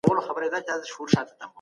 د ټولنپوهنې بنسټ ایښودونکي څوک دي؟